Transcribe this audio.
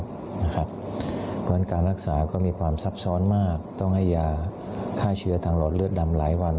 เพราะฉะนั้นการรักษาก็มีความซับซ้อนมากต้องให้ยาฆ่าเชื้อทางหลอดเลือดดำหลายวัน